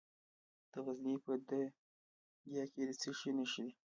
د غزني په ده یک کې د څه شي نښې دي؟